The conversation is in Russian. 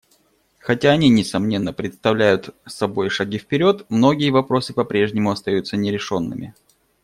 Хотя они, несомненно, представляют собой шаги вперед, многие вопросы по-прежнему остаются нерешенными.